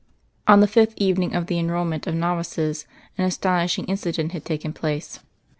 On the fifth evening of the enrolment of novices an astonishing incident had taken place.